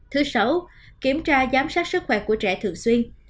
thứ sáu kiểm tra giám sát sức khỏe của trẻ thường xuyên